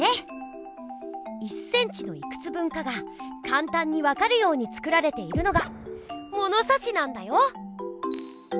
１ｃｍのいくつ分かがかんたんにわかるように作られているのがものさしなんだよ！